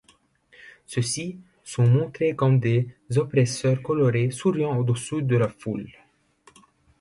Ceux-ci sont montrés comme des oppresseurs colorés souriants au dessus de la foule.